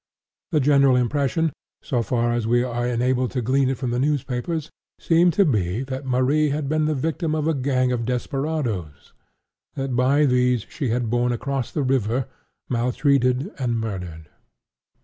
The general impression, so far as we were enabled to glean it from the newspapers, seemed to be, that Marie had been the victim of a gang of desperadoes—that by these she had been borne across the river, maltreated and murdered.